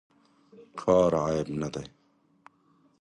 کار عیب نه دی.